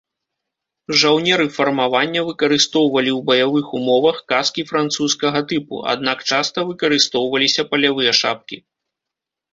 Жаўнеры фармавання выкарыстоўвалі ў баявых умовах каскі французскага тыпу, аднак часта выкарыстоўваліся палявыя шапкі.